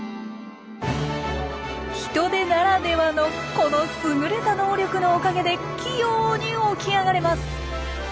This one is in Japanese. ヒトデならではのこの優れた能力のおかげで器用に起き上がれます。